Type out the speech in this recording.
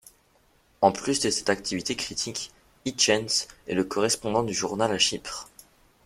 En plus de cette activité critique, Hitchens est le correspondant du journal à Chypre.